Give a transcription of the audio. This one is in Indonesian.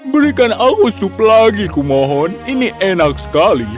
berikan au sup lagi kumohon ini enak sekali